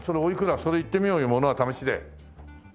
それいってみようよ物は試しで。